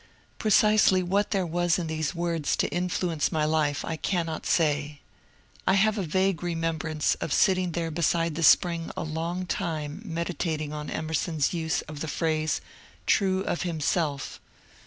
Precisely what there was in these words to influence my life I cannot say. I have a vague remembrance of sitting there beside the spring a long time meditating on Emerson's use of the phrase " true of himself."